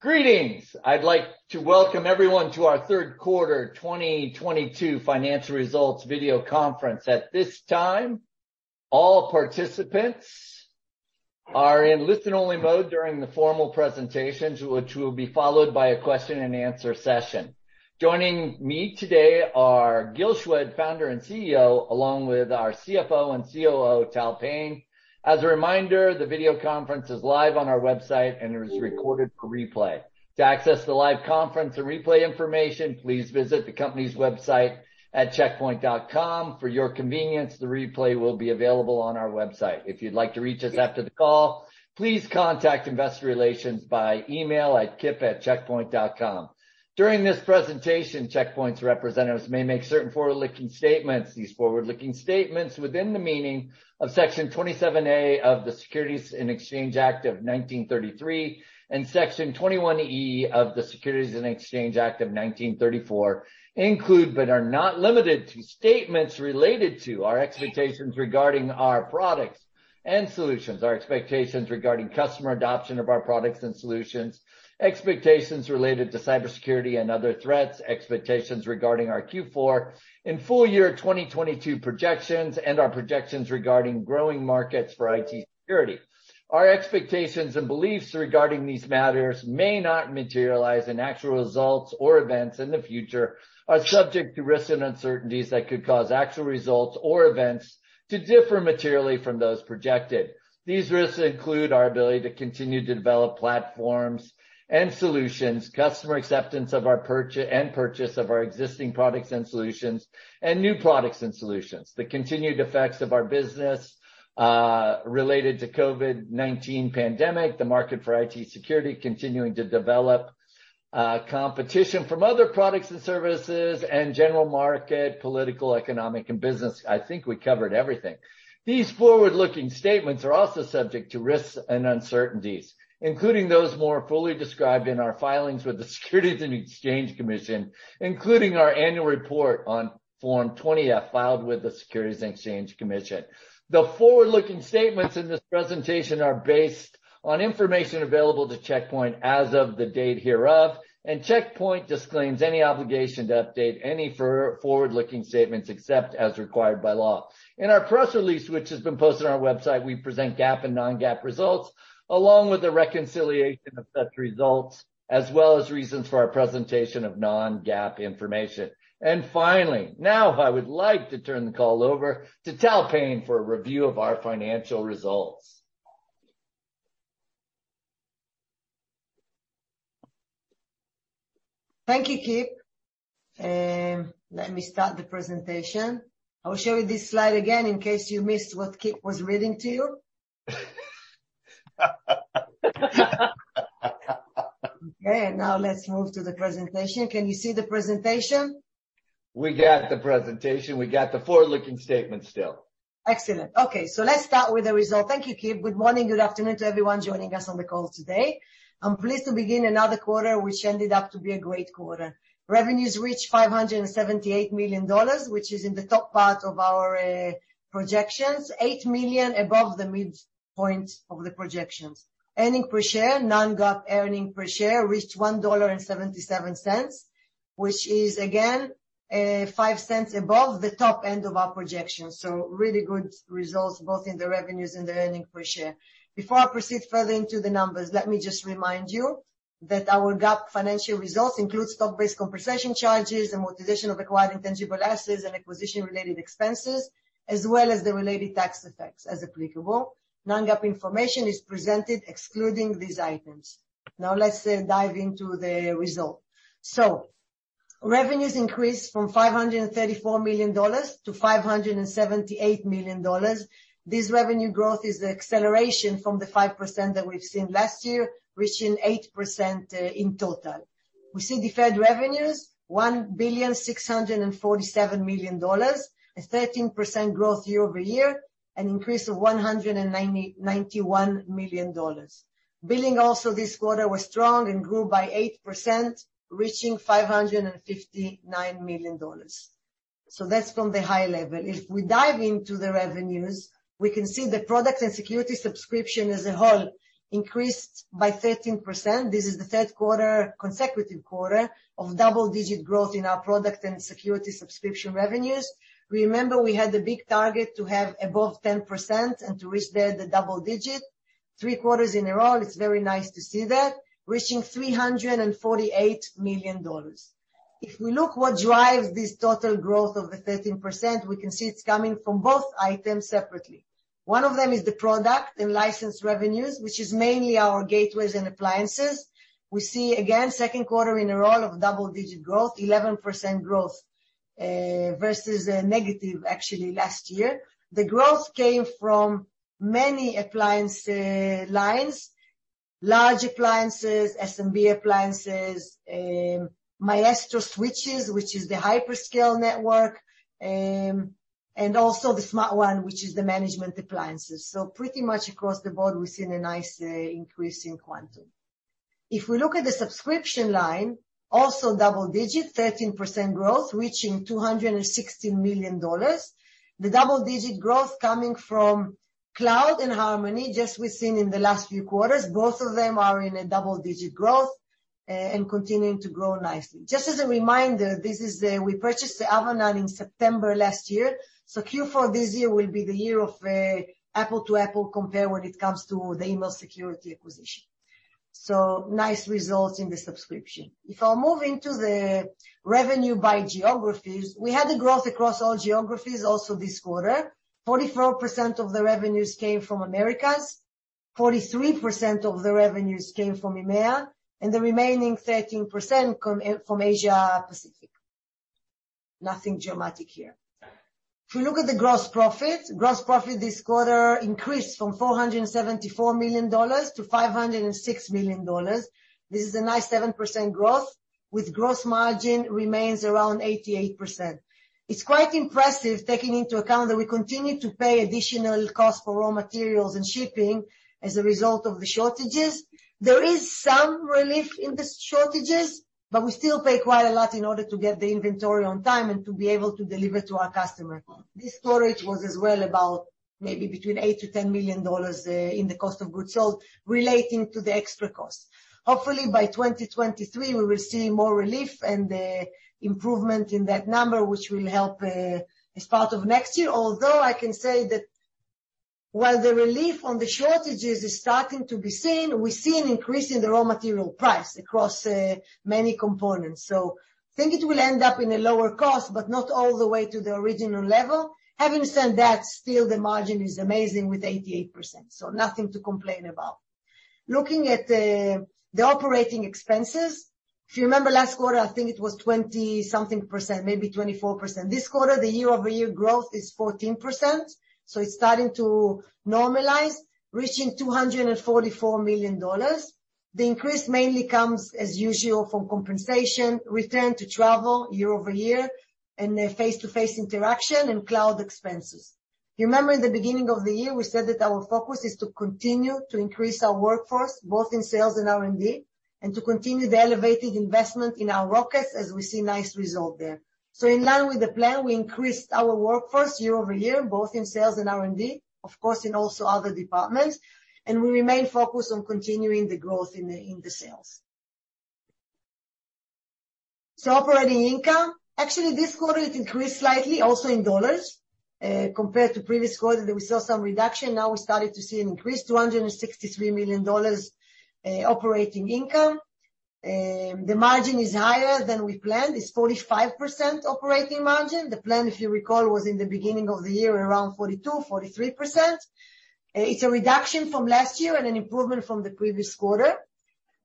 Greetings. I'd like to welcome everyone to our third quarter 2022 financial results video conference. At this time, all participants are in listen-only mode during the formal presentations, which will be followed by a question-and-answer session. Joining me today are Gil Shwed, Founder and CEO, along with our CFO and COO, Tal Payne. As a reminder, the video conference is live on our website and it is recorded for replay. To access the live conference and replay information, please visit the company's website at checkpoint.com. For your convenience, the replay will be available on our website. If you'd like to reach us after the call, please contact investor relations by email at kip@checkpoint.com. During this presentation, Check Point's representatives may make certain forward-looking statements. These forward-looking statements within the meaning of Section 27A of the Securities Act of 1933, and Section 21E of the Securities Exchange Act of 1934 include, but are not limited to, statements related to our expectations regarding our products and solutions, our expectations regarding customer adoption of our products and solutions, expectations related to cybersecurity and other threats, expectations regarding our Q4 and full year 2022 projections and our projections regarding growing markets for IT security. Our expectations and beliefs regarding these matters may not materialize, and actual results or events in the future are subject to risks and uncertainties that could cause actual results or events to differ materially from those projected. These risks include our ability to continue to develop platforms and solutions, customer acceptance of our purchase of our existing products and solutions, and new products and solutions. The continued effects of our business related to COVID-19 pandemic, the market for IT security continuing to develop, competition from other products and services and general market, political, economic, and business. I think we covered everything. These forward-looking statements are also subject to risks and uncertainties, including those more fully described in our filings with the Securities and Exchange Commission, including our annual report on Form 20-F filed with the Securities and Exchange Commission. The forward-looking statements in this presentation are based on information available to Check Point as of the date hereof, and Check Point disclaims any obligation to update any forward-looking statements except as required by law. In our press release, which has been posted on our website, we present GAAP and non-GAAP results, along with a reconciliation of such results, as well as reasons for our presentation of non-GAAP information. Finally, now I would like to turn the call over to Tal Payne for a review of our financial results. Thank you, Kip. Let me start the presentation. I will share with you this slide again in case you missed what Kip was reading to you. Okay, now let's move to the presentation. Can you see the presentation? We got the presentation. We got the forward-looking statement still. Excellent. Okay, let's start with the result. Thank you, Kip. Good morning, good afternoon to everyone joining us on the call today. I'm pleased to begin another quarter, which ended up to be a great quarter. Revenues reached $578 million, which is in the top part of our projections. $8 million above the midpoint of the projections. Earnings per share, non-GAAP earnings per share reached $1.77, which is again, $0.05 above the top end of our projections. Really good results, both in the revenues and the earnings per share. Before I proceed further into the numbers, let me just remind you that our GAAP financial results include stock-based compensation charges, amortization of acquired intangible assets and acquisition related expenses, as well as the related tax effects, as applicable. Non-GAAP information is presented excluding these items. Now, let's dive into the results. Revenues increased from $534 million to $578 million. This revenue growth is the acceleration from the 5% that we've seen last year, reaching 8% in total. We see deferred revenues, $1,647 million, a 13% growth year-over-year, an increase of $191 million. Billing also this quarter was strong and grew by 8%, reaching $559 million. That's from the high level. If we dive into the revenues, we can see the product and security subscription as a whole increased by 13%. This is the third quarter, consecutive quarter of double-digit growth in our product and security subscription revenues. Remember, we had a big target to have above 10% and to reach the double-digit. Three quarters in a row, it's very nice to see that, reaching $348 million. If we look what drives this total growth of the 13%, we can see it's coming from both items separately. One of them is the product, the license revenues, which is mainly our gateways and appliances. We see again, second quarter in a row of double-digit growth, 11% growth, versus a negative actually last year. The growth came from many appliance lines, large appliances, SMB appliances, Maestro switches, which is the hyperscale network, and also the Smart-1, which is the management appliances. So pretty much across the board, we've seen a nice increase in Quantum. If we look at the subscription line. Also double-digit 13% growth, reaching $260 million. The double-digit growth coming from cloud and Harmony, as we've seen in the last few quarters, both of them are in a double-digit growth and continuing to grow nicely. Just as a reminder, we purchased the Avanan in September last year, so Q4 this year will be the year of apple-to-apple compare when it comes to the email security acquisition. So nice results in the subscription. If I move into the revenue by geographies, we had a growth across all geographies also this quarter. 44% of the revenues came from Americas, 43% of the revenues came from EMEA, and the remaining 13% come in from Asia Pacific. Nothing dramatic here. If you look at the gross profit. Gross profit this quarter increased from $474 million to $506 million. This is a nice 7% growth, with gross margin remaining around 88%. It's quite impressive taking into account that we continue to pay additional cost for raw materials and shipping as a result of the shortages. There is some relief in the shortages, but we still pay quite a lot in order to get the inventory on time and to be able to deliver to our customer. This quarter, it was as well about maybe between $8-$10 million in the cost of goods sold relating to the extra cost. Hopefully by 2023, we will see more relief and the improvement in that number, which will help as part of next year. Although I can say that while the relief on the shortages is starting to be seen, we're seeing an increase in the raw material prices across many components. I think it will end up in a lower cost, but not all the way to the original level. Having said that, still the margin is amazing with 88%, so nothing to complain about. Looking at the operating expenses. If you remember last quarter, I think it was 20-something percent, maybe 24%. This quarter, the year-over-year growth is 14%, so it's starting to normalize, reaching $244 million. The increase mainly comes, as usual, from compensation, return to travel year-over-year, and face-to-face interaction and cloud expenses. You remember in the beginning of the year, we said that our focus is to continue to increase our workforce, both in sales and R&D, and to continue the elevated investment in our Rockets as we see nice result there. In line with the plan, we increased our workforce year over year, both in sales and R&D, of course, also in other departments, and we remain focused on continuing the growth in the sales. Operating income. Actually, this quarter it increased slightly also in dollars compared to previous quarter that we saw some reduction. Now we started to see an increase, $263 million operating income. The margin is higher than we planned. It's 45% operating margin. The plan, if you recall, was in the beginning of the year, around 42%-43%. It's a reduction from last year and an improvement from the previous quarter.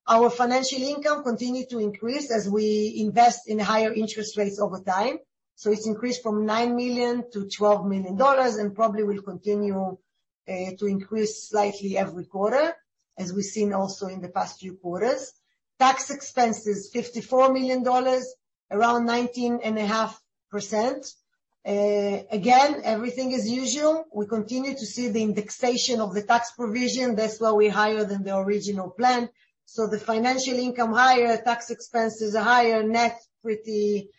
Our financial income continued to increase as we invest in higher interest rates over time. It's increased from $9 million to $12 million, and probably will continue to increase slightly every quarter, as we've seen also in the past few quarters. Tax expenses, $54 million, around 19.5%. Again, everything as usual. We continue to see the indexation of the tax provision. That's why we're higher than the original plan. The financial income higher, tax expenses are higher, net pretty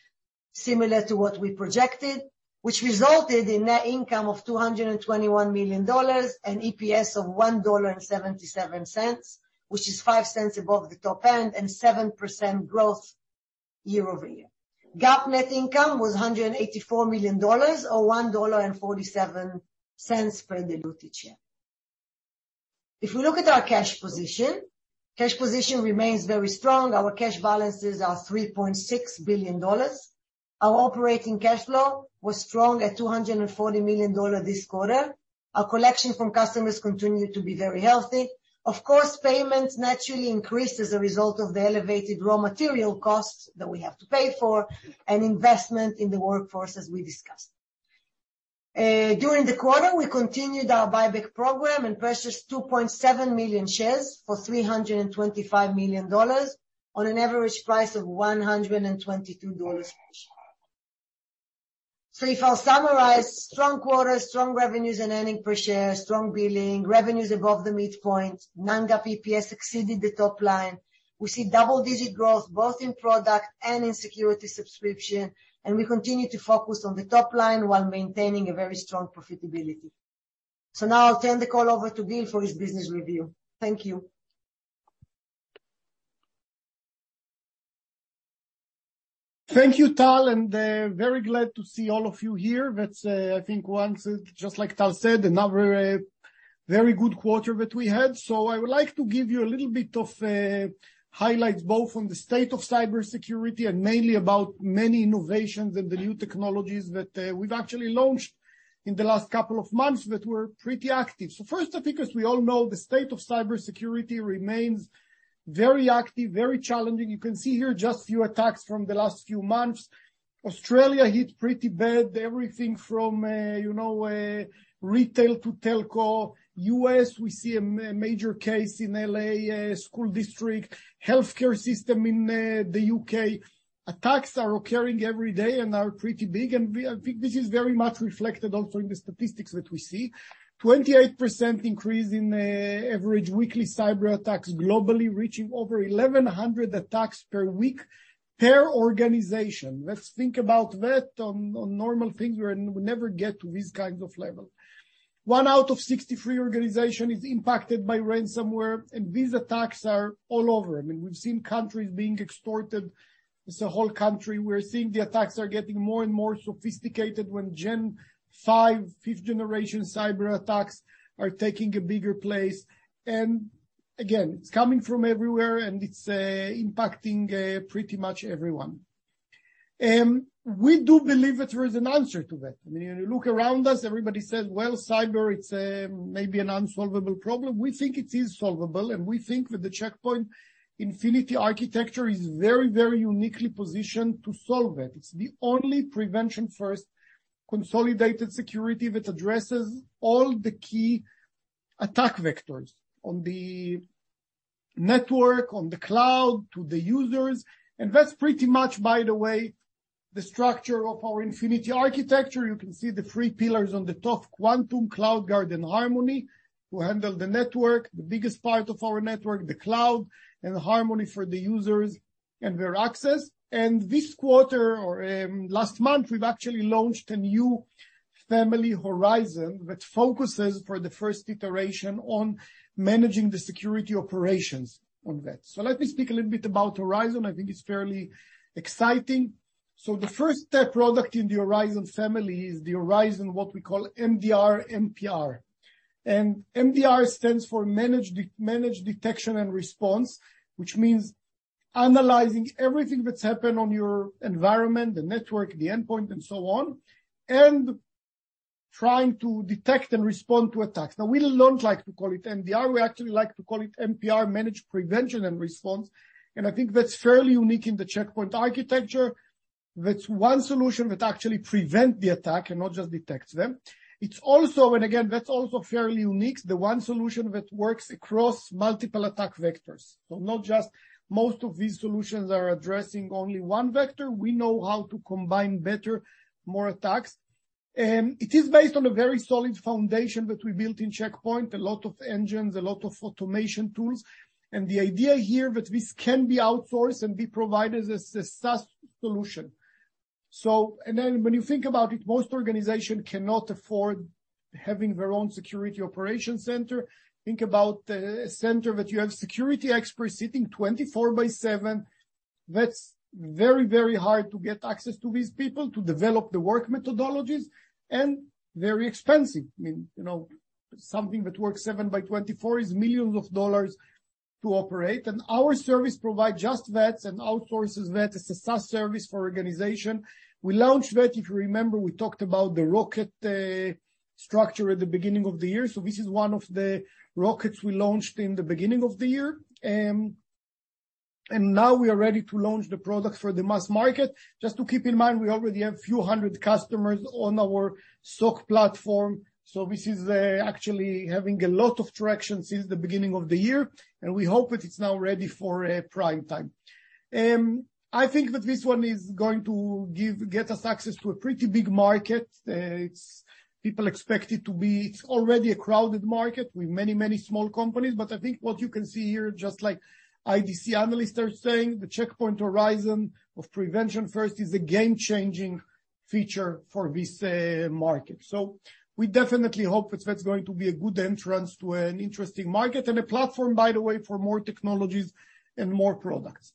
similar to what we projected, which resulted in net income of $221 million and EPS of $1.77, which is $0.05 above the top end and 7% growth year-over-year. GAAP net income was $184 million or $1.47 per diluted share. If we look at our cash position, it remains very strong. Our cash balances are $3.6 billion. Our operating cash flow was strong at $240 million this quarter. Our collection from customers continued to be very healthy. Of course, payments naturally increased as a result of the elevated raw material costs that we have to pay for and investment in the workforce, as we discussed. During the quarter, we continued our buyback program and purchased 2.7 million shares for $325 million on an average price of $122 per share. If I summarize, strong quarter, strong revenues and earnings per share, strong billing, revenues above the midpoint, non-GAAP EPS exceeded the top line. We see double-digit growth both in product and in security subscription, and we continue to focus on the top line while maintaining a very strong profitability. Now I'll turn the call over to Gil for his business review. Thank you. Thank you, Tal, and very glad to see all of you here. That's, I think once, just like Tal said, another very good quarter that we had. I would like to give you a little bit of highlights both on the state of cybersecurity and mainly about many innovations and the new technologies that we've actually launched in the last couple of months that were pretty active. First, I think, as we all know, the state of cybersecurity remains very active, very challenging. You can see here just few attacks from the last few months. Australia hit pretty bad, everything from you know, retail to telco. U.S., we see a major case in L.A. school district. Healthcare system in the U.K. Attacks are occurring every day and are pretty big. I think this is very much reflected also in the statistics that we see. 28% increase in average weekly cyber attacks globally, reaching over 1,100 attacks per week per organization. Let's think about that on normal things. We never get to these kinds of level. One out of 63 organization is impacted by ransomware, and these attacks are all over. I mean, we've seen countries being extorted as a whole country. We're seeing the attacks are getting more and more sophisticated when Gen V fifth-generation cyber attacks are taking a bigger place. Again, it's coming from everywhere, and it's impacting pretty much everyone. We do believe that there is an answer to that. I mean, when you look around us, everybody says, "Well, cyber, it's maybe an unsolvable problem." We think it is solvable, and we think that the Check Point Infinity Architecture is very, very uniquely positioned to solve it. It's the only prevention-first consolidated security that addresses all the key attack vectors on the network, on the cloud, to the users. That's pretty much, by the way, the structure of our Infinity Architecture. You can see the three pillars on the top, Quantum, CloudGuard, and Harmony, who handle the network, the biggest part of our network, the cloud, and Harmony for the users and their access. This quarter or last month, we've actually launched a new family, Horizon, that focuses for the first iteration on managing the security operations on that. So let me speak a little bit about Horizon. I think it's fairly exciting. The first product in the Horizon family is the Horizon, what we call MDR/MPR. MDR stands for Managed Detection and Response, which means analyzing everything that's happened on your environment, the network, the endpoint and so on, and trying to detect and respond to attacks. Now, we don't like to call it MDR. We actually like to call it MPR, Managed Prevention and Response, and I think that's fairly unique in the Check Point architecture. That's one solution that actually prevent the attack and not just detect them. It's also fairly unique, the one solution that works across multiple attack vectors. Not just most of these solutions are addressing only one vector. We know how to combat better, more attacks. It is based on a very solid foundation that we built in Check Point, a lot of engines, a lot of automation tools. The idea here that this can be outsourced and be provided as a SaaS solution. Then when you think about it, most organization cannot afford having their own security operations center. Think about a center that you have security experts sitting 24 by seven. That's very, very hard to get access to these people to develop the work methodologies and very expensive. I mean, you know, something that works seven by 24 is millions of dollars to operate. Our service provide just that and outsources that as a SaaS service for organization. We launched that, if you remember, we talked about the Rockets structure at the beginning of the year. This is one of the rockets we launched in the beginning of the year. Now we are ready to launch the product for the mass market. Just to keep in mind, we already have few hundred customers on our SOC platform. This is actually having a lot of traction since the beginning of the year, and we hope that it's now ready for prime time. I think that this one is going to get us access to a pretty big market. People expect it to be. It's already a crowded market with many small companies. I think what you can see here, just like IDC analysts are saying, the Check Point Horizon of Prevention First is a game-changing feature for this market. We definitely hope that that's going to be a good entrance to an interesting market and a platform, by the way, for more technologies and more products.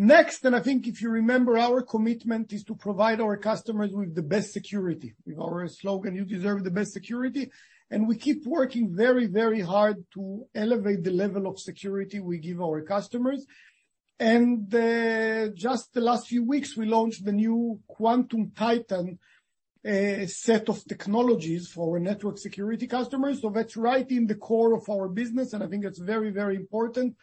Next, and I think if you remember, our commitment is to provide our customers with the best security. With our slogan, you deserve the best security, and we keep working very, very hard to elevate the level of security we give our customers. Just the last few weeks, we launched the new Quantum Titan set of technologies for our network security customers. That's right in the core of our business, and I think it's very, very important.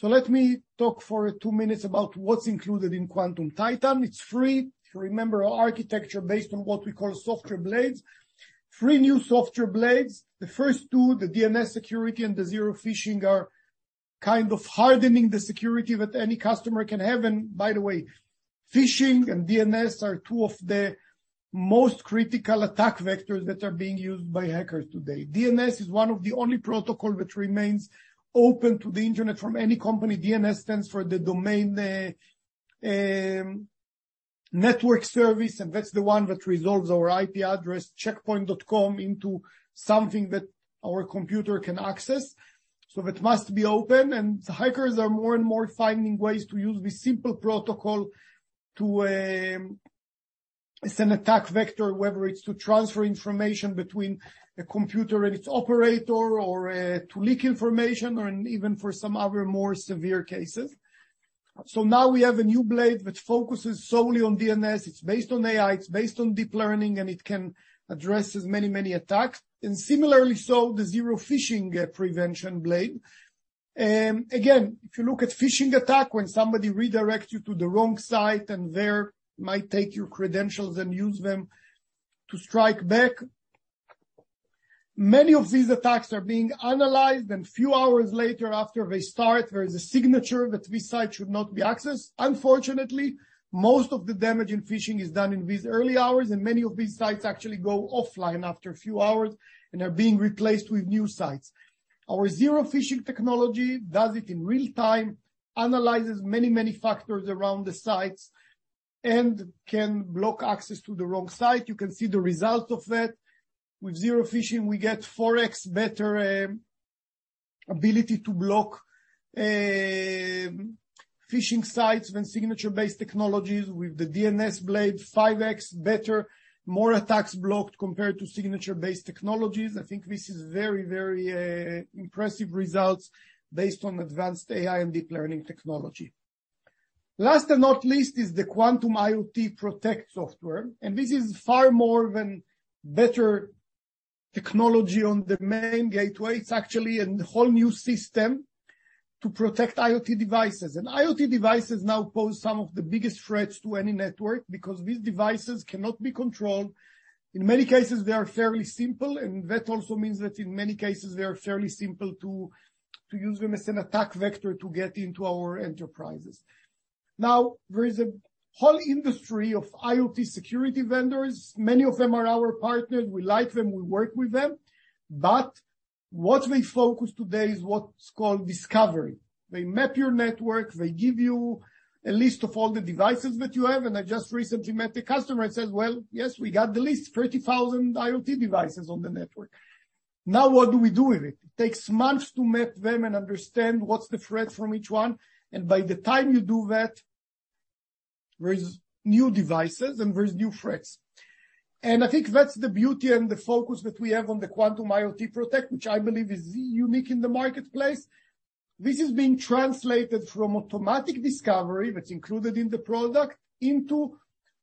Let me talk for two minutes about what's included in Quantum Titan. It's three. If you remember our architecture based on what we call Software Blades. Three new Software Blades. The first two, the DNS security and the Zero Phishing are kind of hardening the security that any customer can have. By the way, phishing and DNS are two of the most critical attack vectors that are being used by hackers today. DNS is one of the only protocol that remains open to the Internet from any company. DNS stands for the Domain Name System, and that's the one that resolves our IP address checkpoint.com into something that our computer can access. That must be open, and the hackers are more and more finding ways to use this simple protocol. It's an attack vector, whether it's to transfer information between the computer and its operator or to leak information or even for some other more severe cases. Now we have a new blade which focuses solely on DNS. It's based on AI, it's based on deep learning, and it can address many, many attacks. Similarly so, the Zero Phishing prevention blade. Again, if you look at phishing attack, when somebody redirects you to the wrong site and they might take your credentials and use them to strike back. Many of these attacks are being analyzed, and a few hours later after they start, there is a signature that this site should not be accessed. Unfortunately, most of the damage in phishing is done in these early hours, and many of these sites actually go offline after a few hours and are being replaced with new sites. Our Zero Phishing technology does it in real time, analyzes many, many factors around the sites, and can block access to the wrong site. You can see the results of that. With Zero Phishing, we get 4x better ability to block phishing sites than signature-based technologies. With the DNS Blade, 5x better, more attacks blocked compared to signature-based technologies. I think this is very impressive results based on advanced AI and deep learning technology. Last but not least is the Quantum IoT Protect software, and this is far more than better technology on the main gateway. It's actually a whole new system to protect IoT devices. IoT devices now pose some of the biggest threats to any network because these devices cannot be controlled. In many cases, they are fairly simple, and that also means that in many cases they are fairly simple to use them as an attack vector to get into our enterprises. Now, there is a whole industry of IoT security vendors. Many of them are our partners. We like them. We work with them. What we focus today is what's called discovery. They map your network, they give you a list of all the devices that you have, and I just recently met a customer and said, "Well, yes, we got the list, 30,000 IoT devices on the network." Now what do we do with it? It takes months to map them and understand what's the threat from each one. By the time you do that, there is new devices and there's new threats. I think that's the beauty and the focus that we have on the Quantum IoT Protect, which I believe is unique in the marketplace. This is being translated from automatic discovery, that's included in the product, into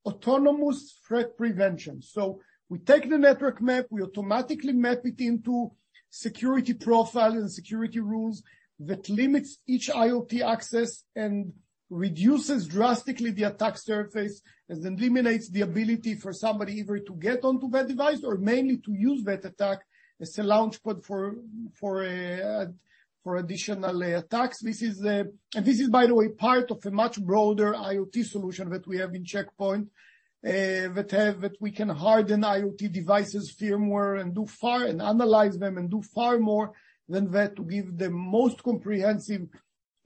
autonomous threat prevention. We take the network map, we automatically map it into security profile and security rules that limit each IoT access and reduces drastically the attack surface, and eliminates the ability for somebody either to get onto that device or mainly to use that attack as a launchpad for additional attacks. This is and this is by the way part of a much broader IoT solution that we have in Check Point that we can harden IoT devices' firmware and analyze them and do far more than that to give the most comprehensive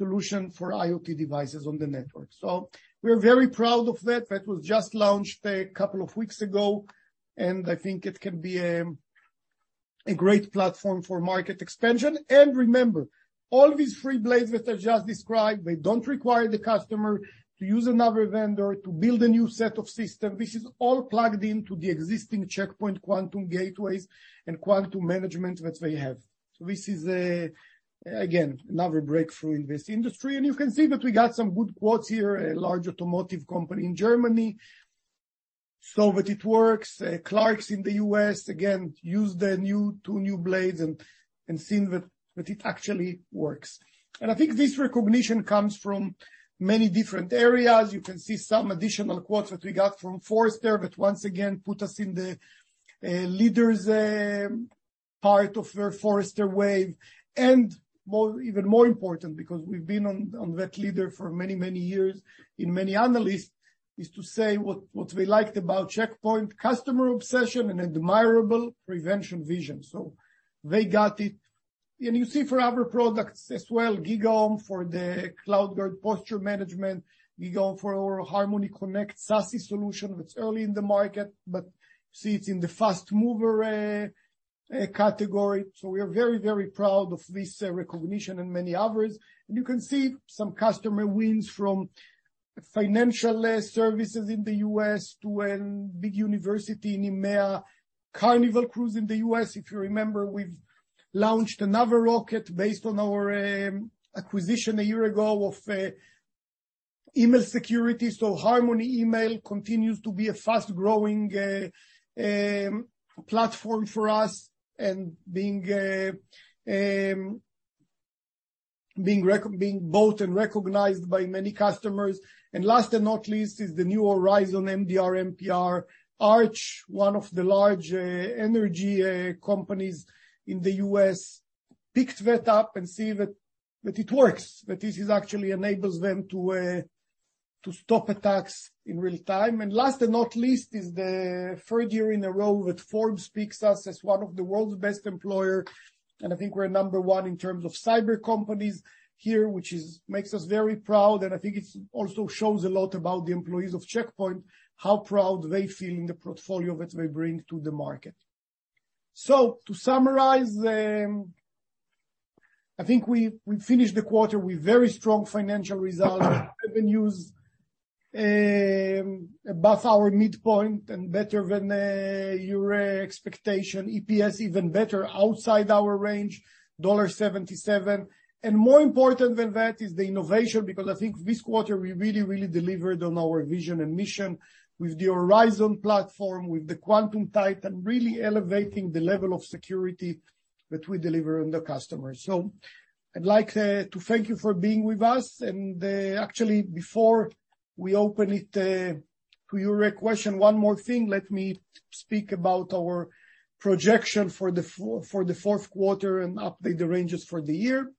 solution for IoT devices on the network. We're very proud of that. That was just launched a couple of weeks ago, and I think it can be a great platform for market expansion. Remember, all these three blades that I just described, they don't require the customer to use another vendor to build a new set of system. This is all plugged into the existing Check Point Quantum gateways and Quantum management that they have. This is another breakthrough in this industry. You can see that we got some good quotes here, a large automotive company in Germany, so that it works. Clarks in the U.S., again, use the two new blades and seen that it actually works. I think this recognition comes from many different areas. You can see some additional quotes that we got from Forrester that once again put us in the leaders part of their Forrester Wave. More even more important, because we've been on that leaderboard for many years in many analysts, is to say what we liked about Check Point customer obsession and admirable prevention vision. They got it. You see for other products as well, GigaOm for the CloudGuard Posture Management, GigaOm for our Harmony Connect SASE solution that's early in the market, but you see it's in the fast mover category. We are very proud of this recognition and many others. You can see some customer wins from financial services in the U.S. to a big university in EMEA, Carnival Cruise Line in the U.S. If you remember, we've launched another rocket based on our acquisition a year ago of email security. Harmony Email continues to be a fast-growing platform for us and being bought and recognized by many customers. Last but not least is the new Horizon MDR/MPR. One of the large energy companies in the U.S. picked that up and sees that it works, that this actually enables them to stop attacks in real time. Last but not least is the third year in a row that Forbes picks us as one of the world's best employer, and I think we're number one in terms of cyber companies here, which makes us very proud, and I think it also shows a lot about the employees of Check Point, how proud they feel in the portfolio that we bring to the market. To summarize, I think we finished the quarter with very strong financial results. Revenues above our midpoint and better than your expectation. EPS even better outside our range, $1.77. More important than that is the innovation, because I think this quarter we really delivered on our vision and mission with the Horizon platform, with the Quantum Titan, and really elevating the level of security that we deliver to the customer. I'd like to thank you for being with us and actually before we open it to your questions. One more thing, let me speak about our projection for the fourth quarter and update the ranges for the year.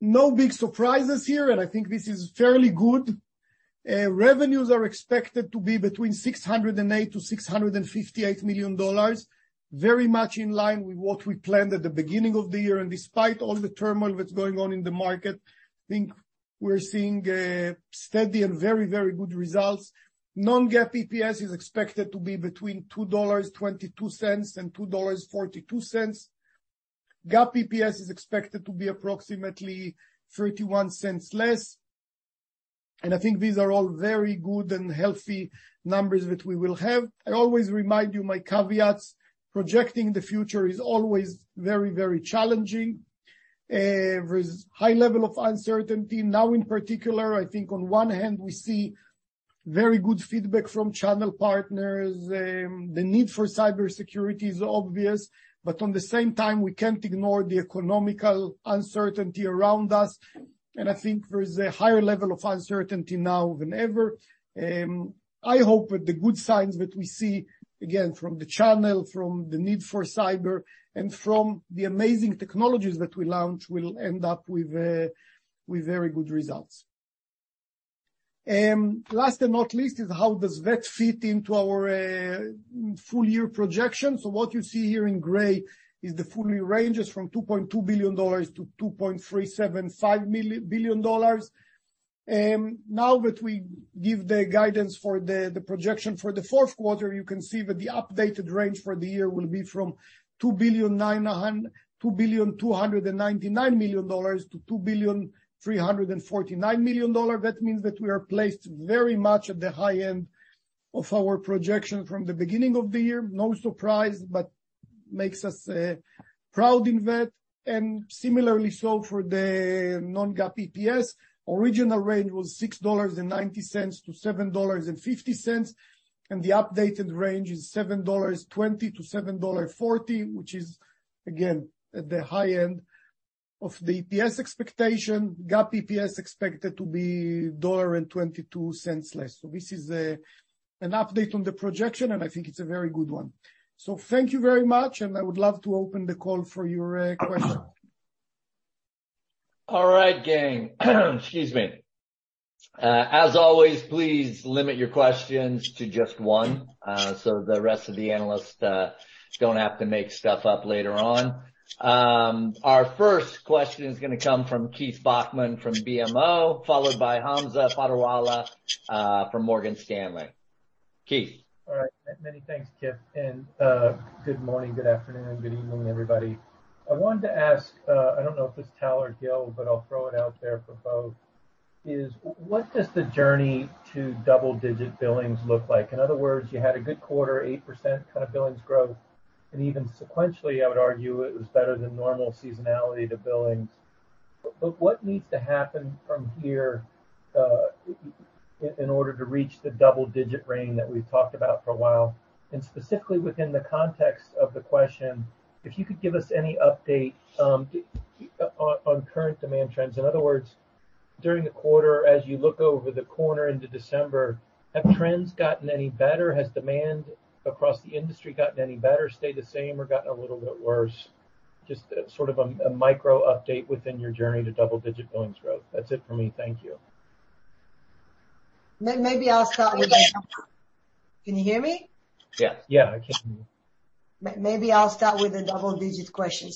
No big surprises here, and I think this is fairly good. Revenues are expected to be between $608 million and $658 million, very much in line with what we planned at the beginning of the year. Despite all the turmoil that's going on in the market, I think we're seeing steady and very, very good results. Non-GAAP EPS is expected to be between $2.22 and $2.42. GAAP EPS is expected to be approximately $0.31 less. I think these are all very good and healthy numbers that we will have. I always remind you my caveats, projecting the future is always very, very challenging. There's high level of uncertainty. Now, in particular, I think on one hand, we see very good feedback from channel partners. The need for cybersecurity is obvious, but at the same time, we can't ignore the economic uncertainty around us. I think there's a higher level of uncertainty now than ever. I hope with the good signs that we see, again, from the channel, from the need for cyber, and from the amazing technologies that we launch, we'll end up with very good results. Last but not least is how does Gen V fit into our full year projection. What you see here in gray is the full year ranges from $2.2 billion to $2.375 billion. Now that we give the guidance for the projection for the fourth quarter, you can see that the updated range for the year will be from $2.299 billion to $2.349 billion. That means that we are placed very much at the high end of our projection from the beginning of the year. No surprise, but makes us proud in VET. Similarly so for the non-GAAP EPS. Original range was $6.90-$7.50, and the updated range is $7.20-$7.40, which is again at the high end of the EPS expectation. GAAP EPS expected to be $1.22 less. This is an update on the projection, and I think it's a very good one. Thank you very much, and I would love to open the call for your questions. All right, gang. Excuse me. As always, please limit your questions to just one, so the rest of the analysts don't have to make stuff up later on. Our first question is gonna come from Keith Bachman from BMO, followed by Hamza Fodderwala from Morgan Stanley. Keith. All right. Many thanks, Keith, and good morning, good afternoon, good evening, everybody. I wanted to ask. I don't know if it's Tal or Gil, but I'll throw it out there for both. What does the journey to double-digit billings look like? In other words, you had a good quarter, 8% kind of billings growth, and even sequentially, I would argue it was better than normal seasonality to billings. What needs to happen from here, in order to reach the double-digit range that we've talked about for a while? Specifically within the context of the question, if you could give us any update, on current demand trends. In other words, during the quarter, as you look around the corner into December, have trends gotten any better? Has demand across the industry gotten any better, stayed the same or gotten a little bit worse? Just, sort of a micro update within your journey to double-digit billings growth. That's it for me. Thank you. Maybe I'll start with Okay. Can you hear me? Yeah. Yeah, I can hear you. Maybe I'll start with the double-digit question.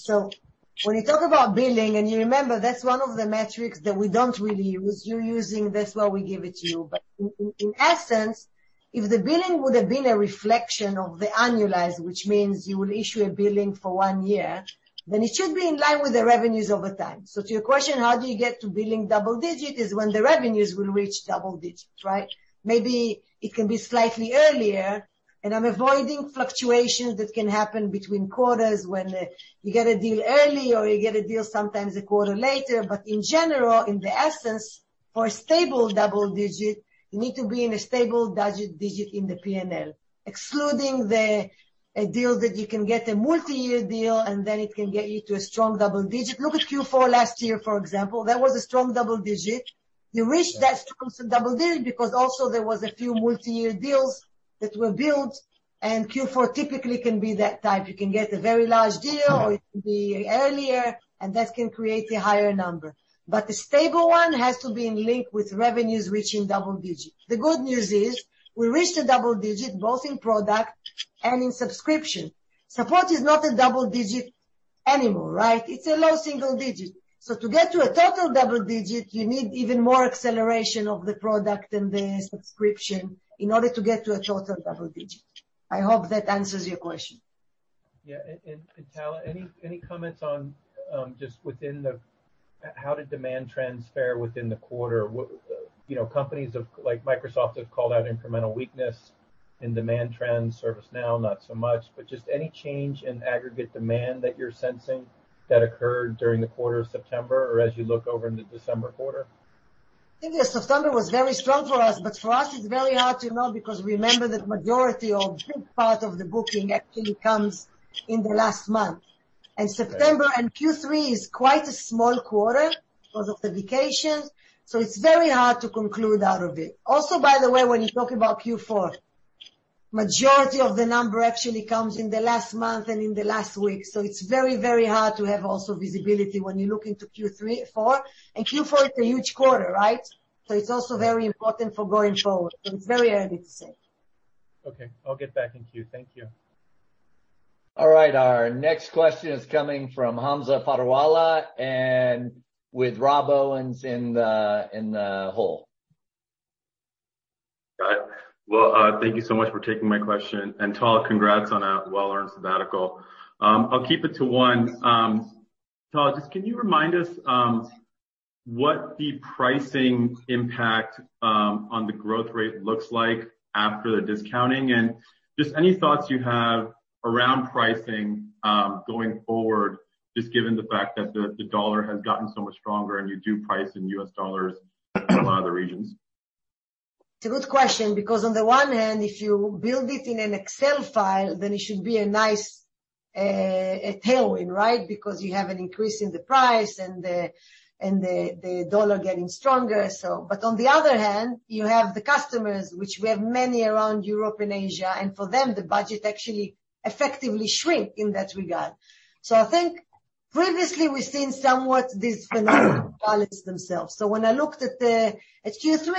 When you talk about billing, and you remember that's one of the metrics that we don't really use. You're using, that's why we give it to you. But in essence, if the billing would have been a reflection of the annualized, which means you will issue a billing for one year, then it should be in line with the revenues over time. To your question, how do you get to billing double digit? Is when the revenues will reach double digits, right? Maybe it can be slightly earlier, and I'm avoiding fluctuations that can happen between quarters when you get a deal early or you get a deal sometimes a quarter later. But in general, in the essence, for a stable double digit, you need to be in a stable double-digit in the P&L. Excluding the deal that you can get a multi-year deal, and then it can get you to a strong double digit. Look at Q4 last year, for example. That was a strong double digit. You reach that strong double digit because also there was a few multi-year deals that were built, and Q4 typically can be that type. You can get a very large deal or it can be earlier, and that can create a higher number. But the stable one has to be in line with revenues reaching double digit. The good news is we reached a double digit both in product and in subscription. Support is not a double digit anymore, right? It's a low single digit. To get to a total double digit, you need even more acceleration of the product and the subscription in order to get to a total double digit. I hope that answers your question. Yeah. Tal, any comments on just within the quarter? How did demand trends fare within the quarter? You know, companies like Microsoft have called out incremental weakness in demand trends, ServiceNow not so much. Just any change in aggregate demand that you're sensing that occurred during the quarter of September or as you look over into December quarter? I think September was very strong for us, but for us it's very hard to know because remember that majority or big part of the booking actually comes in the last month. September and Q3 is quite a small quarter because of the vacations, so it's very hard to conclude out of it. Also, by the way, when you talk about Q4, majority of the number actually comes in the last month and in the last week. It's very, very hard to have also visibility when you look into Q4. Q4 is a huge quarter, right? It's also very important for going forward. It's very early to say. Okay. I'll get back in queue. Thank you. All right, our next question is coming from Hamza Fodderwala, and with Rob Owens in the hole. Got it. Well, thank you so much for taking my question. Tal, congrats on a well-earned sabbatical. I'll keep it to one. Tal, just can you remind us, what the pricing impact on the growth rate looks like after the discounting? Just any thoughts you have around pricing, going forward, just given the fact that the dollar has gotten so much stronger and you do price in U.S. dollars in a lot of the regions. It's a good question because on the one hand, if you build it in an Excel file, then it should be a nice tailwind, right? Because you have an increase in the price and the dollar getting stronger. But on the other hand, you have the customers, which we have many around Europe and Asia, and for them, the budget actually effectively shrinks in that regard. I think previously we've seen somewhat this phenomenon balance themselves. When I looked at Q3,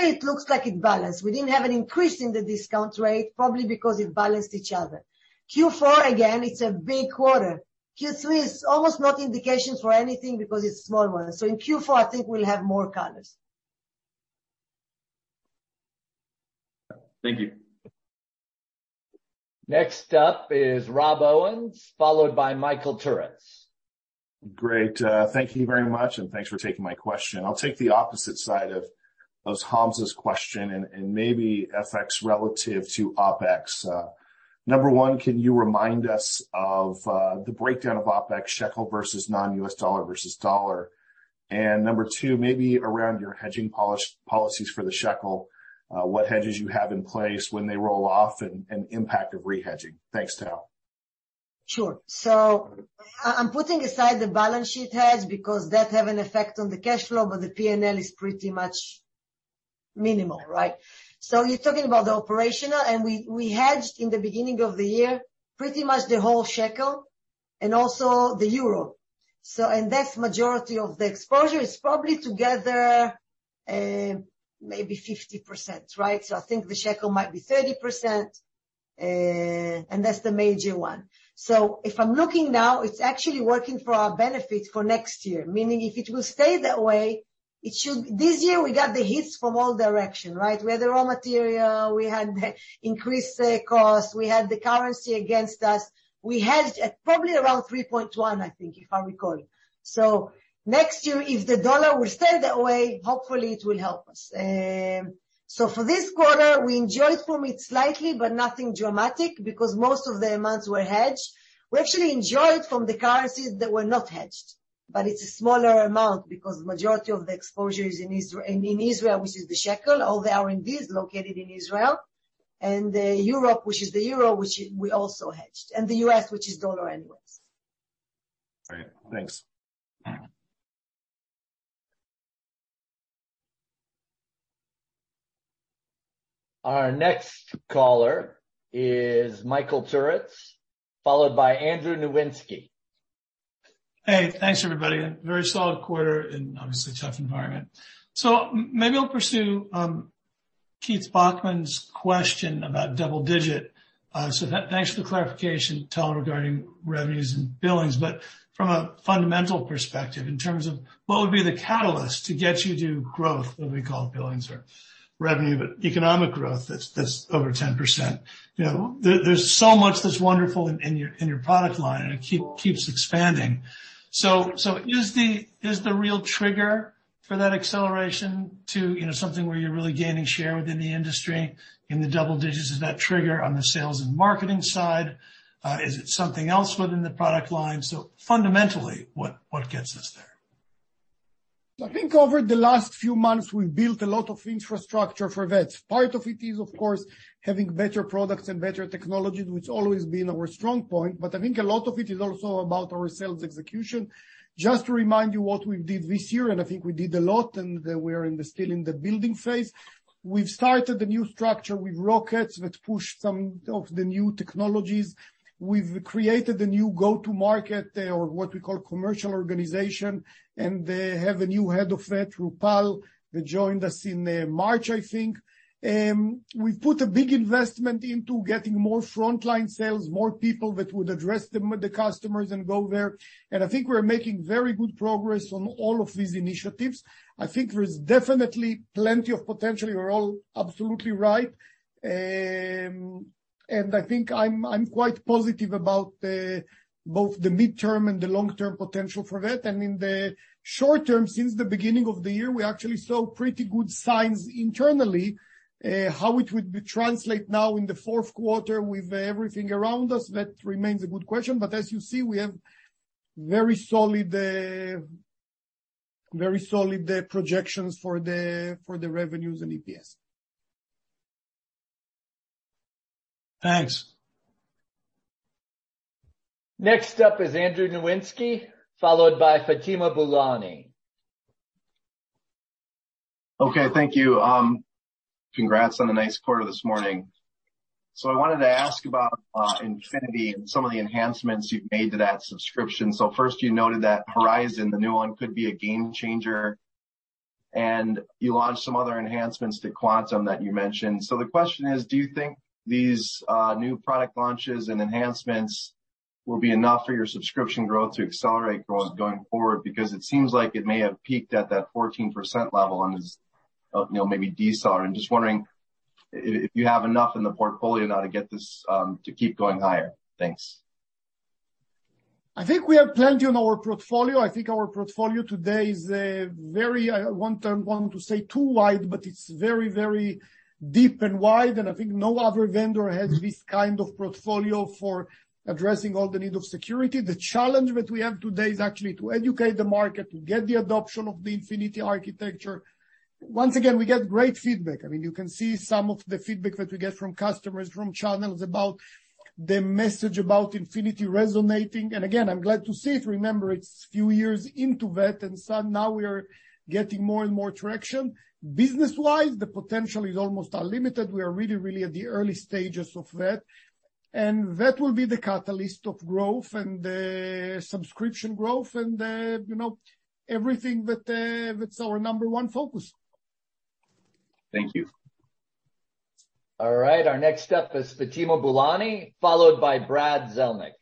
it looks like it balanced. We didn't have an increase in the discount rate, probably because it balanced each other. Q4, again, it's a big quarter. Q3 is almost no indications for anything because it's smaller. In Q4, I think we'll have more color. Thank you. Next up is Rob Owens, followed by Michael Turits. Great. Thank you very much, and thanks for taking my question. I'll take the opposite side of Hamza's question and maybe FX relative to OpEx. Number one, can you remind us of the breakdown of OpEx shekel versus non-U.S. dollar versus dollar? Number two, maybe around your hedging policies for the shekel, what hedges you have in place when they roll off and impact of re-hedging. Thanks, Tal. Sure. I'm putting aside the balance sheet hedge because that have an effect on the cash flow, but the P&L is pretty much minimal, right? You're talking about the operational, and we hedged in the beginning of the year, pretty much the whole shekel and also the euro. And that's the majority of the exposure. It's probably together, maybe 50%, right? I think the shekel might be 30%, and that's the major one. If I'm looking now, it's actually working for our benefit for next year. Meaning if it will stay that way, it should. This year, we got the hits from all direction, right? We had the raw material, we had increased the cost, we had the currency against us. We hedged at probably around 3.1, I think, if I recall. Next year, if the U.S. dollar will stay that way, hopefully it will help us. For this quarter, we benefited from it slightly, but nothing dramatic because most of the amounts were hedged. We actually benefited from the currencies that were not hedged, but it's a smaller amount because majority of the exposure is in Israel, which is the shekel. All the R&D is located in Israel. Europe, which is the euro, which we also hedged. The U.S., which is the U.S. dollar anyways. Great. Thanks. Our next caller is Michael Turits, followed by Andrew Nowinski. Hey, thanks, everybody. A very solid quarter in obviously a tough environment. Maybe I'll pursue Keith Bachman's question about double-digit. Thanks for the clarification, Tal, regarding revenues and billings. From a fundamental perspective, in terms of what would be the catalyst to get you to growth, what we call billings or revenue, but economic growth that's over 10%. You know, there's so much that's wonderful in your product line, and it keeps expanding. Is the real trigger for that acceleration to something where you're really gaining share within the industry in the double digits? Is that trigger on the sales and marketing side? Is it something else within the product line? Fundamentally, what gets us there? I think over the last few months, we've built a lot of infrastructure for that. Part of it is, of course, having better products and better technology, which always been our strong point. But I think a lot of it is also about our sales execution. Just to remind you what we did this year, and I think we did a lot, and we're still in the building phase. We've started a new structure with Rockets that pushed some of the new technologies. We've created a new go-to-market, or what we call commercial organization, and they have a new head of that, Rupal, that joined us in March, I think. We've put a big investment into getting more frontline sales, more people that would address the customers and go there. I think we're making very good progress on all of these initiatives. I think there's definitely plenty of potential. You're all absolutely right. I think I'm quite positive about both the midterm and the long-term potential for that. In the short term, since the beginning of the year, we actually saw pretty good signs internally. How it would translate now in the fourth quarter with everything around us, that remains a good question. As you see, we have Very solid projections for the revenues and EPS. Thanks. Next up is Andrew Nowinski, followed by Fatima Boolani. Okay, thank you. Congrats on a nice quarter this morning. I wanted to ask about Infinity and some of the enhancements you've made to that subscription. First, you noted that Horizon, the new one, could be a game changer, and you launched some other enhancements to Quantum that you mentioned. The question is, do you think these new product launches and enhancements will be enough for your subscription growth to accelerate going forward? Because it seems like it may have peaked at that 14% level and is, you know, maybe decelerating. Just wondering if you have enough in the portfolio now to get this to keep going higher. Thanks. I think we have plenty on our portfolio. I think our portfolio today is very, I want to say too wide, but it's very, very deep and wide, and I think no other vendor has this kind of portfolio for addressing all the need of security. The challenge that we have today is actually to educate the market, to get the adoption of the Infinity architecture. Once again, we get great feedback. I mean, you can see some of the feedback that we get from customers, from channels about the message about Infinity resonating. Again, I'm glad to see it. Remember, it's a few years into that, and so now we are getting more and more traction. Business-wise, the potential is almost unlimited. We are really, really at the early stages of that, and that will be the catalyst of growth and subscription growth and, you know, everything that that's our number one focus. Thank you. All right, our next up is Fatima Boolani, followed by Brad Zelnick.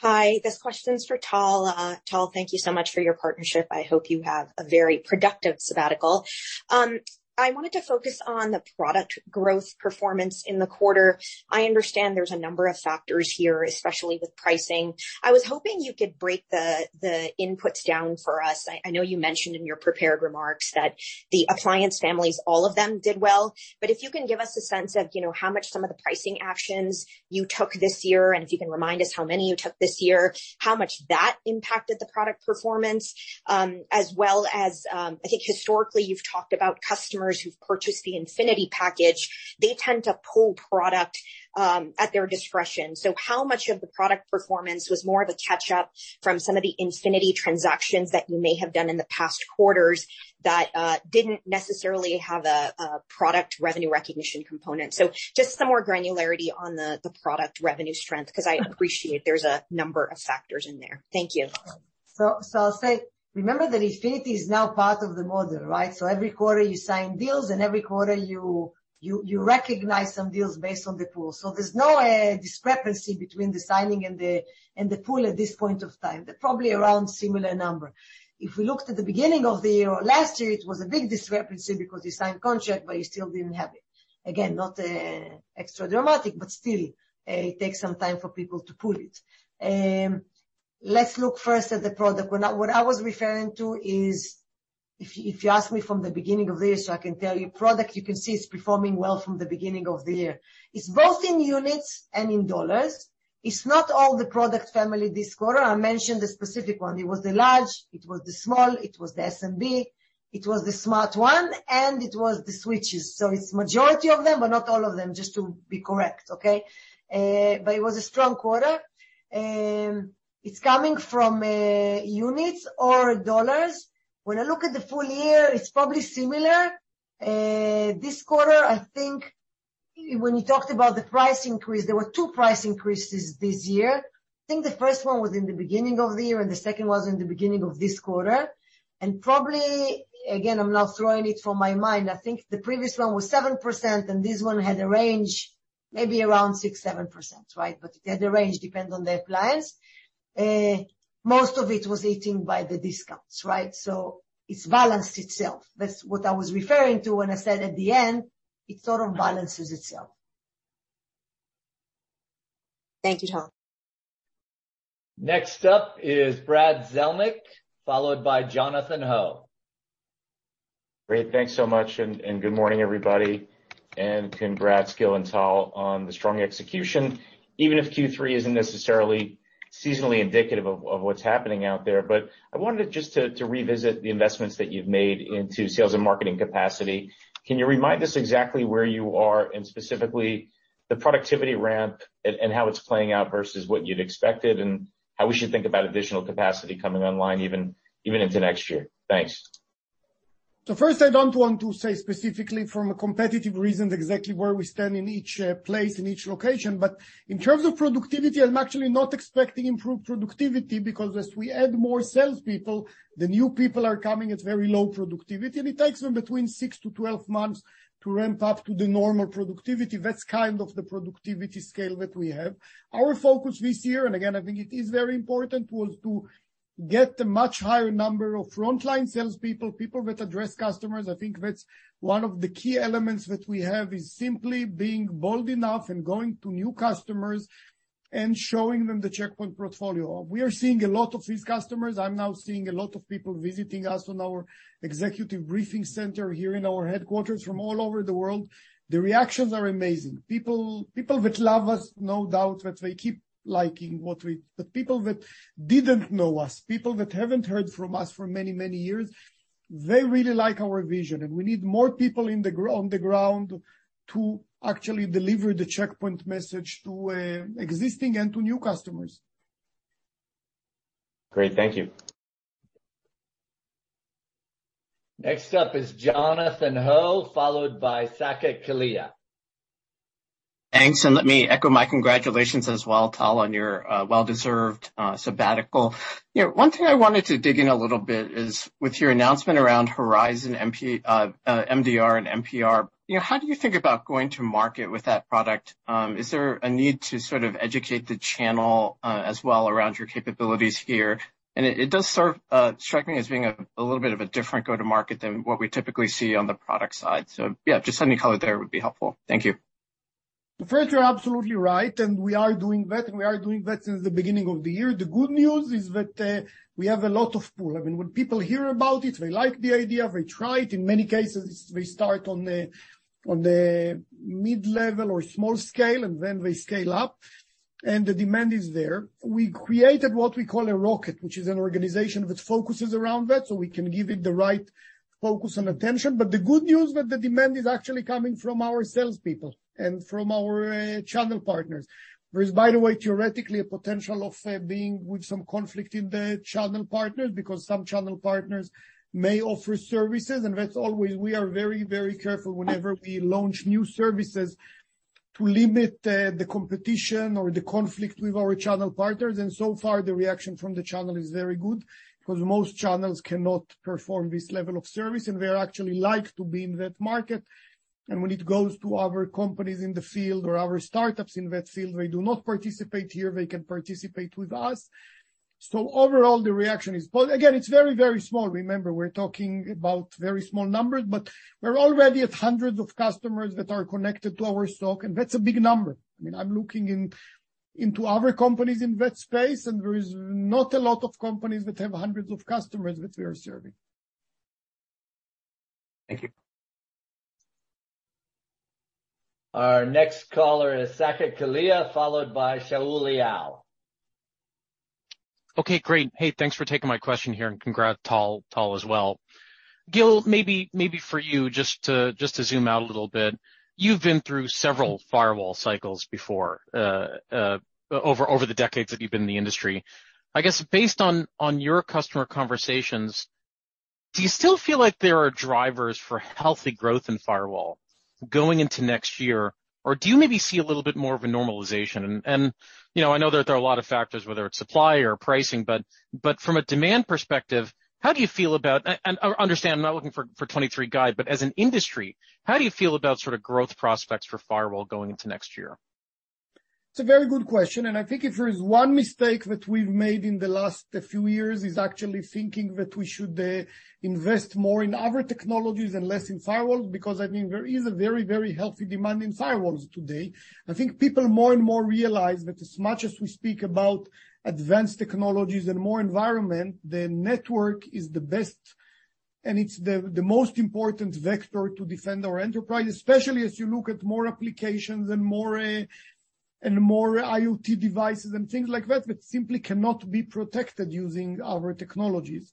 Hi. This question is for Tal. Tal, thank you so much for your partnership. I hope you have a very productive sabbatical. I wanted to focus on the product growth performance in the quarter. I understand there's a number of factors here, especially with pricing. I was hoping you could break the inputs down for us. I know you mentioned in your prepared remarks that the Appliance families, all of them did well. If you can give us a sense of, you know, how much some of the pricing actions you took this year, and if you can remind us how many you took this year, how much that impacted the product performance, as well as, I think historically you've talked about customers who've purchased the Infinity package. They tend to pull product at their discretion. How much of the product performance was more of a catch up from some of the Infinity transactions that you may have done in the past quarters that didn't necessarily have a product revenue recognition component? Just some more granularity on the product revenue strength, because I appreciate there's a number of factors in there. Thank you. I'll say, remember that Infinity is now part of the model, right? Every quarter, you sign deals, and every quarter, you recognize some deals based on the pool. There's no discrepancy between the signing and the pool at this point of time. They're probably around similar number. If we looked at the beginning of the year or last year, it was a big discrepancy because you signed contract, but you still didn't have it. Again, not extra dramatic, but still, it takes some time for people to pull it. Let's look first at the product. What I was referring to is if you ask me from the beginning of the year, so I can tell you, product, you can see it's performing well from the beginning of the year. It's both in units and in dollars. It's not all the product family this quarter. I mentioned the specific one. It was the large, it was the small, it was the SMB, it was the smart one, and it was the switches. So it's majority of them, but not all of them, just to be correct. Okay? But it was a strong quarter. It's coming from units or dollars. When I look at the full year, it's probably similar. This quarter, I think when you talked about the price increase, there were two price increases this year. I think the first one was in the beginning of the year, and the second was in the beginning of this quarter. Probably, again, I'm not throwing it from my mind. I think the previous one was 7%, and this one had a range maybe around 6%-7%, right? It had a range, depends on the appliance. Most of it was eaten by the discounts, right? It's balanced itself. That's what I was referring to when I said at the end, it sort of balances itself. Thank you, Tal. Next up is Brad Zelnick, followed by Jonathan Ho. Great. Thanks so much, and good morning, everybody. Congrats, Gil and Tal, on the strong execution, even if Q3 isn't necessarily seasonally indicative of what's happening out there. I wanted just to revisit the investments that you've made into sales and marketing capacity. Can you remind us exactly where you are and specifically the productivity ramp and how it's playing out versus what you'd expected and how we should think about additional capacity coming online even into next year? Thanks. First, I don't want to say specifically from a competitive reason exactly where we stand in each place, in each location. In terms of productivity, I'm actually not expecting improved productivity because as we add more salespeople, the new people are coming at very low productivity, and it takes them between six to 12 months to ramp up to the normal productivity. That's kind of the productivity scale that we have. Our focus this year, and again, I think it is very important, was to get a much higher number of frontline salespeople, people that address customers. I think that's one of the key elements that we have is simply being bold enough and going to new customers. Showing them the Check Point portfolio. We are seeing a lot of these customers. I'm now seeing a lot of people visiting us on our executive briefing center here in our headquarters from all over the world. The reactions are amazing. People who love us, no doubt that they keep liking what we. People who didn't know us, people who haven't heard from us for many, many years, they really like our vision. We need more people on the ground to actually deliver the Check Point message to existing and to new customers. Great. Thank you. Next up is Jonathan Ho, followed by Saket Kalia. Thanks, and let me echo my congratulations as well, Tal, on your well-deserved sabbatical. You know, one thing I wanted to dig in a little bit is with your announcement around Horizon MPR, MDR and MPR, you know, how do you think about going to market with that product? Is there a need to sort of educate the channel as well around your capabilities here? It does sort of strike me as being a little bit of a different go-to-market than what we typically see on the product side. Yeah, just any color there would be helpful. Thank you. First, you're absolutely right, and we are doing that since the beginning of the year. The good news is that we have a lot of pull. I mean, when people hear about it, they like the idea, they try it. In many cases, they start on the mid-level or small scale, and then they scale up. The demand is there. We created what we call a rocket, which is an organization which focuses around that, so we can give it the right focus and attention. The good news is that the demand is actually coming from our salespeople and from our channel partners. There is, by the way, theoretically a potential of being with some conflict in the channel partners because some channel partners may offer services. We are very, very careful whenever we launch new services to limit the competition or the conflict with our channel partners. So far, the reaction from the channel is very good because most channels cannot perform this level of service, and they actually like to be in that market. When it goes to other companies in the field or other startups in that field, they do not participate here. They can participate with us. Overall, the reaction is. Again, it's very, very small. Remember, we're talking about very small numbers, but we're already at hundreds of customers that are connected to our SOC, and that's a big number. I mean, I'm looking into other companies in that space, and there is not a lot of companies that have hundreds of customers that we are serving. Thank you. Our next caller is Saket Kalia, followed by Shaul Eyal. Okay, great. Hey, thanks for taking my question here, and congrats, Tal, as well. Gil, maybe for you, just to zoom out a little bit, you've been through several firewall cycles before, over the decades that you've been in the industry. I guess based on your customer conversations, do you still feel like there are drivers for healthy growth in firewall going into next year? Or do you maybe see a little bit more of a normalization? You know, I know that there are a lot of factors, whether it's supply or pricing, but from a demand perspective, how do you feel about it. And understand I'm not looking for 2023 guide, but as an industry, how do you feel about sort of growth prospects for firewall going into next year? It's a very good question, and I think if there is one mistake that we've made in the last few years is actually thinking that we should invest more in other technologies and less in firewall because I mean, there is a very, very healthy demand in firewalls today. I think people more and more realize that as much as we speak about advanced technologies and more environment, the network is the best and it's the most important vector to defend our enterprise, especially as you look at more applications and more and more IoT devices and things like that that simply cannot be protected using our technologies.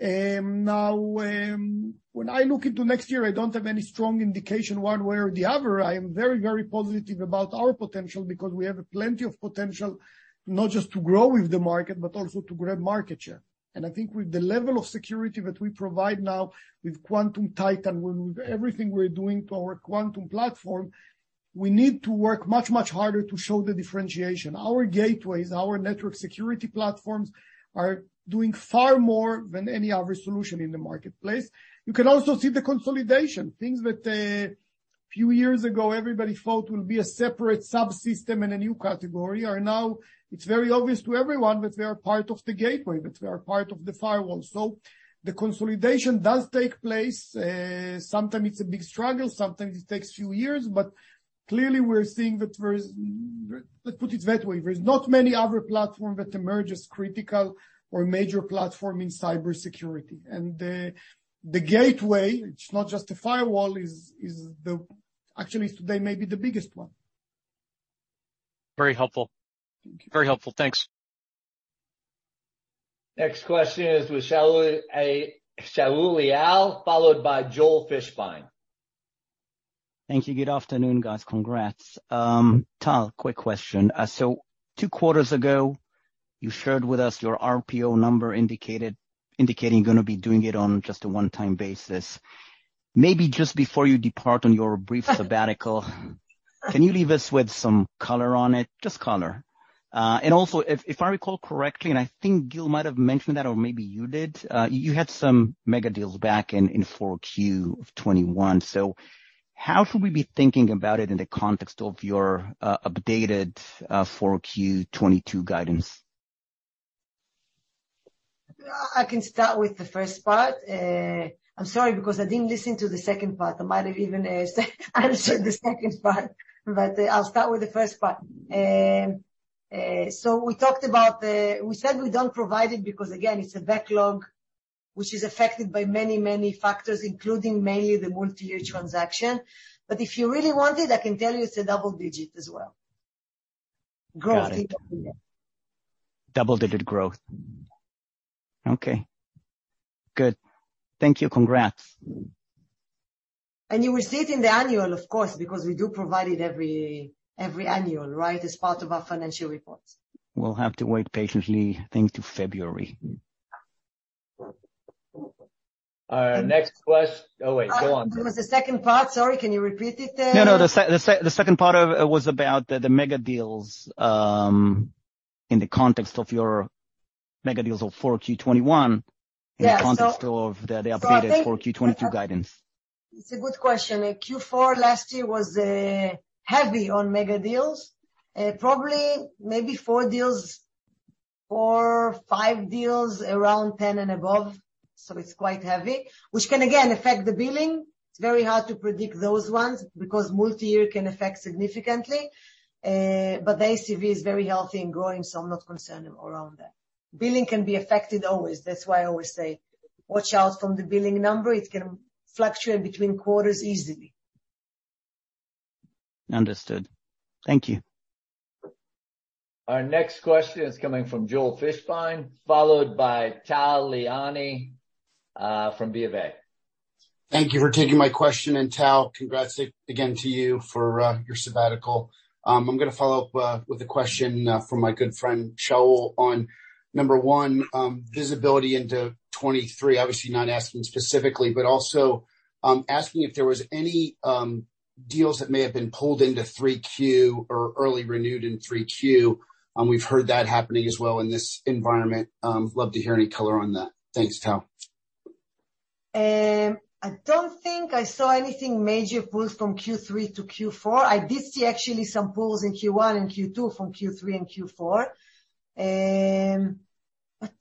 Now when I look into next year, I don't have any strong indication one way or the other. I am very, very positive about our potential because we have plenty of potential not just to grow with the market, but also to grab market share. I think with the level of security that we provide now with Quantum Titan, with everything we're doing to our Quantum platform, we need to work much, much harder to show the differentiation. Our gateways, our network security platforms are doing far more than any other solution in the marketplace. You can also see the consolidation. Things that, few years ago everybody thought will be a separate subsystem and a new category are now it's very obvious to everyone that they are part of the gateway, that they are part of the firewall. The consolidation does take place. Sometimes it's a big struggle, sometimes it takes a few years. Clearly we're seeing that there's, let's put it that way, there's not many other platform that emerges critical or major platform in cybersecurity. The gateway, it's not just the firewall, is actually today may be the biggest one. Very helpful. Thanks. Next question is with Shaul Eyal, followed by Joel Fishbein. Thank you. Good afternoon, guys. Congrats. Tal, quick question. So two quarters ago, you shared with us your RPO number indicating you're gonna be doing it on just a one-time basis. Maybe just before you depart on your brief sabbatical, can you leave us with some color on it? Just color. And also if I recall correctly, and I think Gil might have mentioned that or maybe you did, you had some mega deals back in Q4 of 2021. So how should we be thinking about it in the context of your updated Q4 2022 guidance? I can start with the first part. I'm sorry, because I didn't listen to the second part. I might have even answered the second part, but I'll start with the first part. We talked about the. We said we don't provide it because, again, it's a backlog which is affected by many factors, including mainly the multi-year transaction. If you really want it, I can tell you it's a double-digit as well. Growth year-over-year. Got it. Double-digit growth. Okay. Good. Thank you. Congrats. You will see it in the annual, of course, because we do provide it every annual, right? As part of our financial reports. We'll have to wait patiently, I think, till February. Oh, wait. Go on, Tal. There was a second part. Sorry, can you repeat it? No, no. The second part of it was about the mega deals in the context of your mega deals of Q4 2021. Yeah. In the context of the updated. I think. Q4 2022 guidance. It's a good question. Q4 last year was heavy on mega deals. Probably maybe four or five deals around 10 and above, so it's quite heavy, which can again affect the billing. It's very hard to predict those ones because multi-year can affect significantly. The ACV is very healthy and growing, so I'm not concerned about that. Billing can be affected always. That's why I always say watch out for the billing number. It can fluctuate between quarters easily. Understood. Thank you. Our next question is coming from Joel Fishbein, followed by Tal Liani, from BofA. Thank you for taking my question. Tal, congrats again to you for your sabbatical. I'm gonna follow up with a question from my good friend Shaul on number one, visibility into 2023. Obviously, not asking specifically, but also asking if there was any deals that may have been pulled into Q3 or early renewed in Q3. We've heard that happening as well in this environment. Love to hear any color on that. Thanks, Tal. I don't think I saw anything major pulls from Q3 to Q4. I did see actually some pulls in Q1 and Q2 from Q3 and Q4.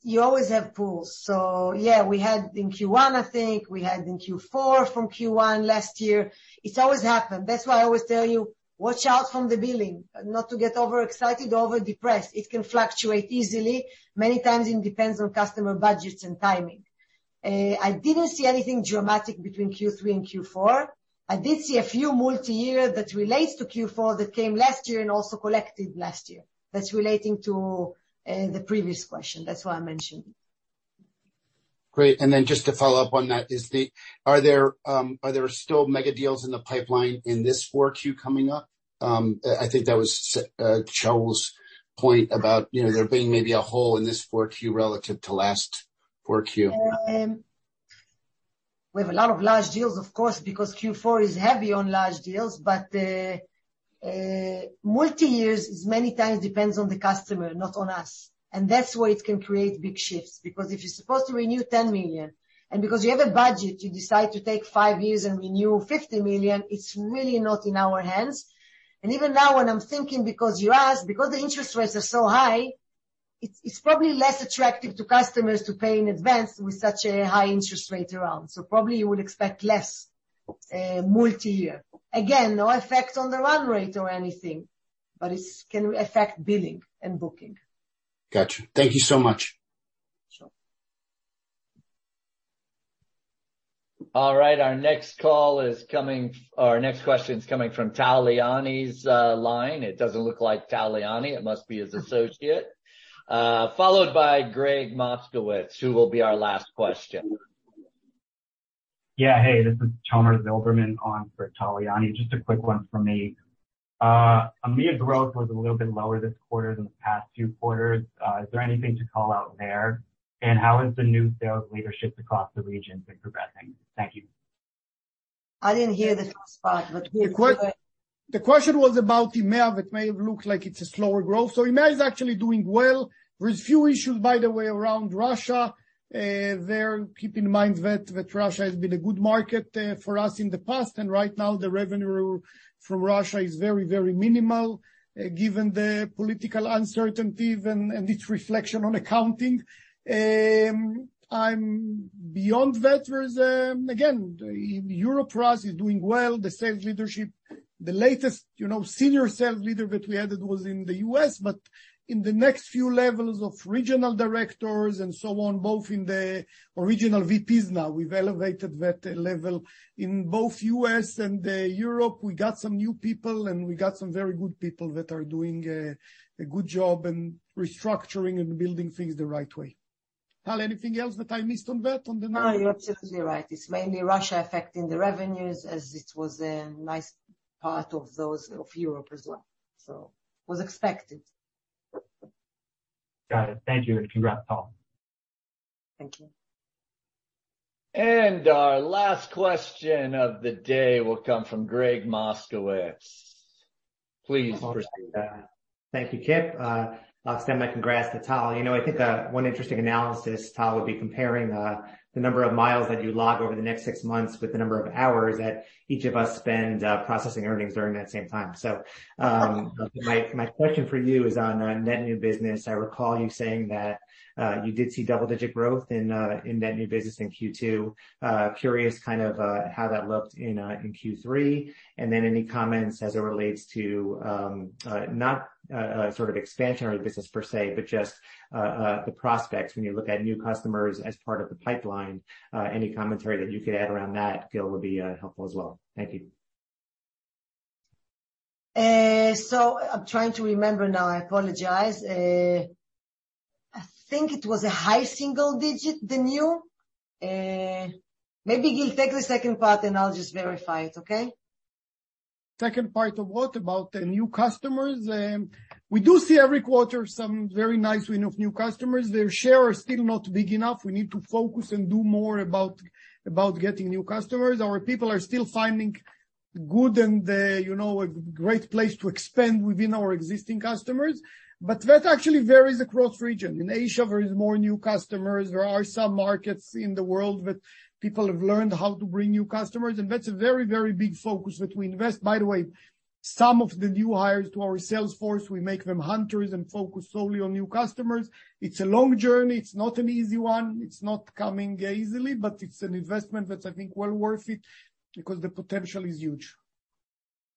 You always have pulls. Yeah, we had in Q1, I think we had in Q4 from Q1 last year. It's always happened. That's why I always tell you, watch out for the billing, not to get overexcited or over-depressed. It can fluctuate easily. Many times it depends on customer budgets and timing. I didn't see anything dramatic between Q3 and Q4. I did see a few multi-year deals that relate to Q4 that came last year and also collected last year. That's relating to the previous question. That's why I mentioned. Great. Then just to follow up on that, are there still mega deals in the pipeline in this Q4 coming up? I think that was Shaul's point about, you know, there being maybe a hole in this Q4 relative to last Q4. We have a lot of large deals, of course, because Q4 is heavy on large deals. multi-years is many times depends on the customer, not on us. that's why it can create big shifts, because if you're supposed to renew $10 million, and because you have a budget, you decide to take five years and renew $50 million, it's really not in our hands. even now, when I'm thinking, because you asked, because the interest rates are so high, it's probably less attractive to customers to pay in advance with such a high interest rate around. probably you would expect less multi-year. Again, no effect on the run rate or anything, but it can affect billing and booking. Gotcha. Thank you so much. Sure. All right. Our next question is coming from Tal Liani's line. It doesn't look like Tal Liani. It must be his associate. Followed by Gregg Moskowitz, who will be our last question. Yeah. Hey, this is Tomer Zilberman on for Tal Liani. Just a quick one from me. EMEA growth was a little bit lower this quarter than the past two quarters. Is there anything to call out there? How has the new sales leaderships across the region been progressing? Thank you. I didn't hear the first part, but we are doing. The question was about EMEA, that may have looked like it's a slower growth. EMEA is actually doing well. There is few issues, by the way, around Russia. Keep in mind that Russia has been a good market for us in the past, and right now the revenue from Russia is very minimal, given the political uncertainty and its reflection on accounting. Beyond that, there's again, in Europe, Russia is doing well. The sales leadership, the latest senior sales leader that we added was in the U.S., but in the next few levels of regional directors and so on, both in the regional VPs now, we've elevated that level. In both U.S. and Europe, we got some new people, and we got some very good people that are doing a good job in restructuring and building things the right way. Tal, anything else that I missed on that, on the numbers? No, you're absolutely right. It's mainly Russia affecting the revenues as it was a nice part of those of Europe as well. It was expected. Got it. Thank you, and congrats, Tal. Thank you. Our last question of the day will come from Gregg Moskowitz. Please, Christine. Thank you, Kip. I'll send my congrats to Tal. You know, I think one interesting analysis, Tal, would be comparing the number of miles that you log over the next six months with the number of hours that each of us spend processing earnings during that same time. My question for you is on net new business. I recall you saying that you did see double-digit growth in net new business in Q2. Curious kind of how that looked in Q3, and then any comments as it relates to not sort of expansionary business per se, but just the prospects when you look at new customers as part of the pipeline. Any commentary that you could add around that, Gil, would be helpful as well. Thank you. I'm trying to remember now. I apologize. I think it was a high single digit, the new. Maybe Gil take the second part, and I'll just verify it. Okay? Second part of what? About the new customers? We do see every quarter some very nice win of new customers. Their share are still not big enough. We need to focus and do more about getting new customers. Our people are still finding good and, you know, a great place to expand within our existing customers. But that actually varies across region. In Asia, there is more new customers. There are some markets in the world that people have learned how to bring new customers, and that's a very, very big focus that we invest. By the way, some of the new hires to our sales force, we make them hunters and focus solely on new customers. It's a long journey. It's not an easy one. It's not coming easily, but it's an investment that's, I think, well worth it because the potential is huge.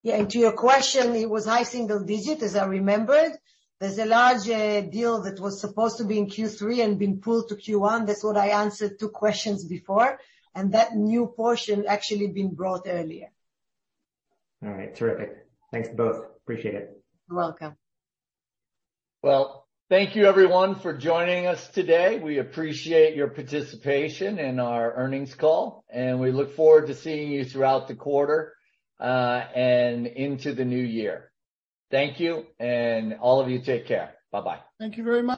Yeah. To your question, it was high single digit, as I remembered. There's a large deal that was supposed to be in Q3 and been pulled to Q1. That's what I answered two questions before, and that new portion actually been brought earlier. All right. Terrific. Thanks to both. Appreciate it. You're welcome. Well, thank you everyone for joining us today. We appreciate your participation in our earnings call, and we look forward to seeing you throughout the quarter, and into the new year. Thank you, and all of you take care. Bye-bye. Thank you very much.